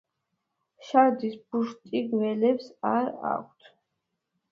შარდის ბუშტი გველებს არა აქვთ.